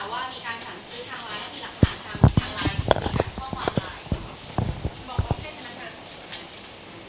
แล้วได้มีการตรวจสอบพวกนี้ด้วยมั้ยคะ